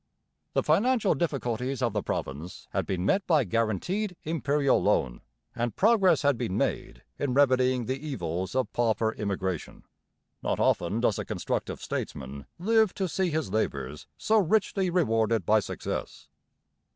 The financial difficulties of the province had been met by guaranteed Imperial loan, and progress had been made in remedying the evils of pauper immigration. Not often does a constructive statesman live to see his labours so richly rewarded by success.